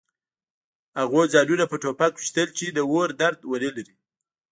هغوی ځانونه په ټوپک ویشتل چې د اور درد ونلري